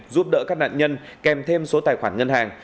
giúp đỡ các nạn nhân kèm thêm số tài khoản ngân hàng